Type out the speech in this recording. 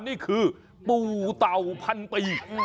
นี่คือปู่เต่าพันปี